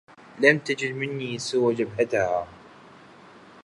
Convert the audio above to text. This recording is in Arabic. لم تجد مني سوى جبهتها